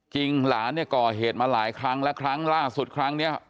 หลานเนี่ยก่อเหตุมาหลายครั้งและครั้งล่าสุดครั้งนี้